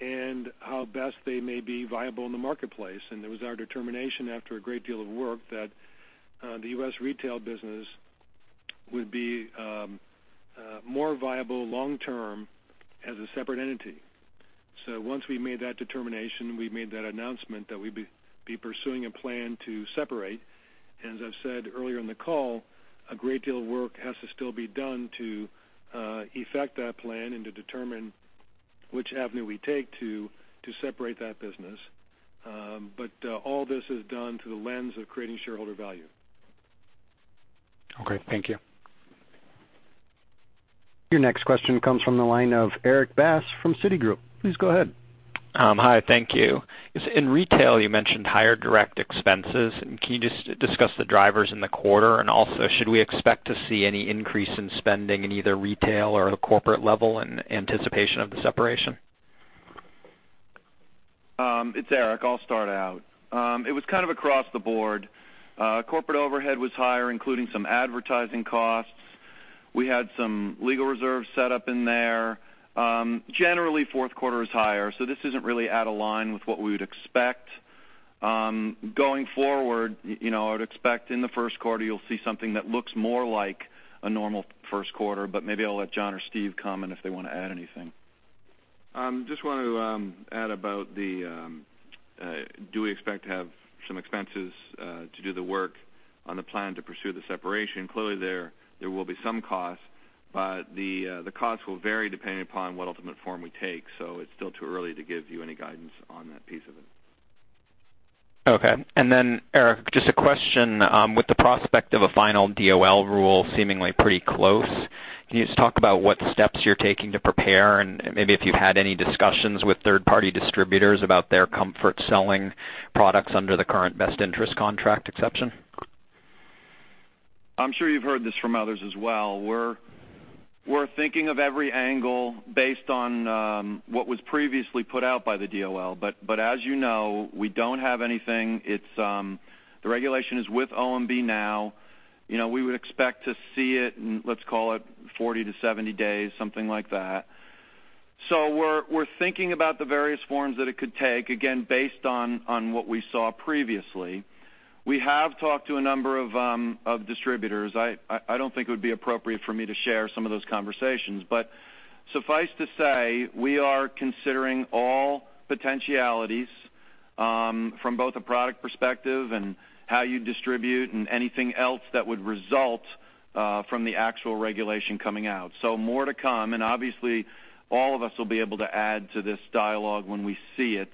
and how best they may be viable in the marketplace. It was our determination after a great deal of work that the U.S. retail business would be more viable long term as a separate entity. Once we made that determination, we made that announcement that we'd be pursuing a plan to separate. As I've said earlier in the call, a great deal of work has to still be done to effect that plan and to determine which avenue we take to separate that business. All this is done through the lens of creating shareholder value. Okay. Thank you. Your next question comes from the line of Erik Bass from Citigroup. Please go ahead. Hi, thank you. In retail, you mentioned higher direct expenses. Can you just discuss the drivers in the quarter? Also, should we expect to see any increase in spending in either retail or at a corporate level in anticipation of the separation? It's Eric. I'll start out. It was kind of across the board. Corporate overhead was higher, including some advertising costs. We had some legal reserves set up in there. Generally, fourth quarter is higher, this isn't really out of line with what we would expect. Going forward, I would expect in the first quarter you'll see something that looks more like a normal first quarter, maybe I'll let John or Steve comment if they want to add anything. Just wanted to add about the, do we expect to have some expenses to do the work on the plan to pursue the separation? Clearly, there will be some cost, the cost will vary depending upon what ultimate form we take, it's still too early to give you any guidance on that piece of it. Okay. Eric, just a question. With the prospect of a final DOL rule seemingly pretty close, can you just talk about what steps you're taking to prepare and maybe if you've had any discussions with third-party distributors about their comfort selling products under the current best interest contract exception? I'm sure you've heard this from others as well. We're thinking of every angle based on what was previously put out by the DOL. As you know, we don't have anything. The regulation is with OMB now. We would expect to see it in, let's call it 40 to 70 days, something like that. We're thinking about the various forms that it could take, again, based on what we saw previously. We have talked to a number of distributors. I don't think it would be appropriate for me to share some of those conversations. Suffice to say, we are considering all potentialities from both a product perspective and how you distribute and anything else that would result from the actual regulation coming out. More to come, and obviously, all of us will be able to add to this dialogue when we see it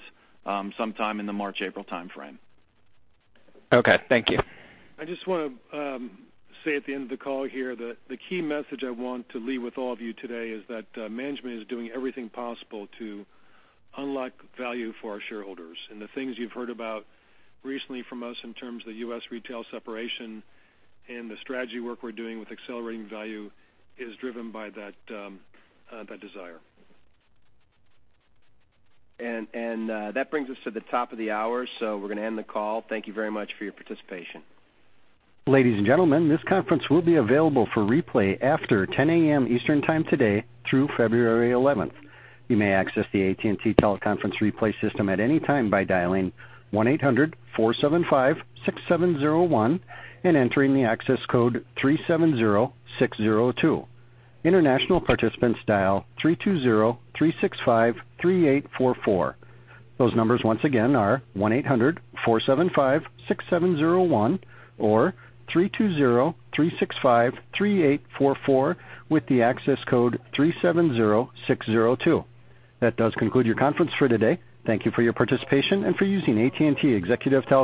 sometime in the March-April timeframe. Okay, thank you. I just want to say at the end of the call here that the key message I want to leave with all of you today is that management is doing everything possible to unlock value for our shareholders. The things you've heard about recently from us in terms of the U.S. retail separation and the strategy work we're doing with accelerating value is driven by that desire. That brings us to the top of the hour, we're going to end the call. Thank you very much for your participation. Ladies and gentlemen, this conference will be available for replay after 10:00 A.M. Eastern Time today through February 11th. You may access the AT&T teleconference replay system at any time by dialing 1-800-475-6701 and entering the access code 370602. International participants dial 3203653844. Those numbers once again are 1-800-475-6701 or 3203653844 with the access code 370602. That does conclude your conference for today. Thank you for your participation and for using AT&T Executive Teleconference.